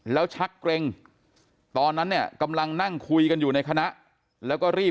แล้วชักเกร็งตอนนั้นเนี่ยกำลังนั่งคุยกันอยู่ในคณะแล้วก็รีบ